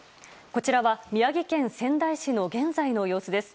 こちらは宮城県仙台市の現在の様子です。